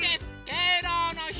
「敬老の日」！